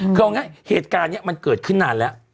คือเอาง่ายเหตุการณ์นี้มันเกิดขึ้นนานแล้ว